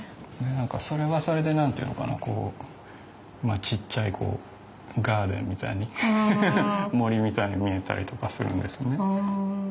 それはそれで何て言うのかなこうちっちゃいガーデンみたいに森みたいに見えたりとかするんですよね。